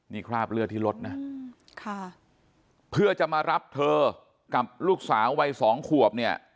นี่คราบเลือดที่รถนะค่ะเพื่อจะมารับเธอกับลูกสาววัยสองขวบเนี่ย